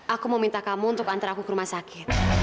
aku meminta kamu untuk antar aku ke rumah sakit